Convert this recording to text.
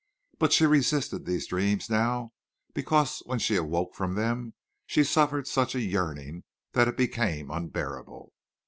But she resisted these dreams now because when she awoke from them she suffered such a yearning that it became unbearable.